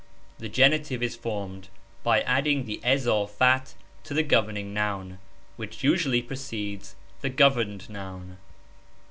The genitive is formed by adding the izafat to the governing noun, which usually precedes the governed noun.